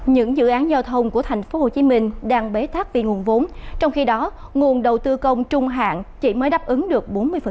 những dự án giao thông của tp hcm đang bế thác vì nguồn vốn trong khi đó nguồn đầu tư công trung hạn chỉ mới đáp ứng được bốn mươi